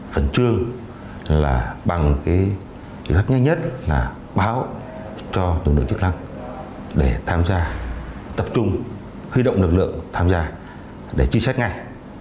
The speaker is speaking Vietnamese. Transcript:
một chương là bằng cái cách nhanh nhất là báo cho đồng lượng chức năng để tham gia tập trung huy động lực lượng tham gia để trích xuất ngay